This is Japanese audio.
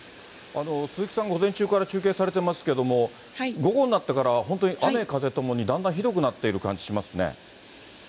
鈴木さん、午前中から中継されてますけども、午後になってから、本当に雨風ともにだんだんひどくなっている感じしますね。